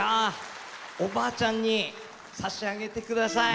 おばあちゃんに差し上げてください。